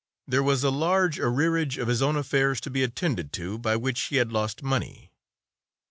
There was a large arrearage of his own affairs to be attended to, by which he had lost money.